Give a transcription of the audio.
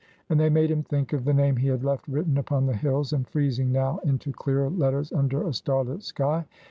And they made him think of the name he had left written upon the hills and freezing now into clearer letters under a starlit sky.